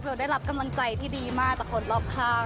ได้รับกำลังใจที่ดีมากจากคนรอบข้าง